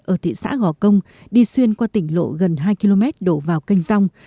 ở thị xã gò công đi xuyên qua tỉnh lộ gần hai km đổ vào kênh dòng